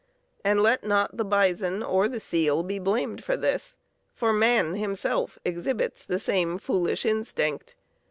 And let not the bison or the seal be blamed for this, for man himself exhibits the same foolish instinct.